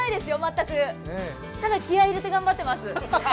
ただ、気合いいれて頑張ってます。